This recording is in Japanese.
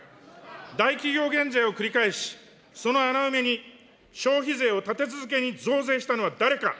大企業減税を繰り返し、その穴埋めに消費税を立て続けに増税したのは誰か。